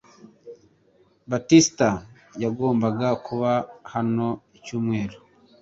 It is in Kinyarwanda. Batistas yagombaga kuba hano icyumweru .